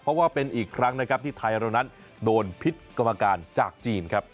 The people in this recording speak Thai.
เพราะว่าเป็นอีกครั้งนะครับที่ไทยเรานั้นโดนพิษกรรมการจากจีนครับ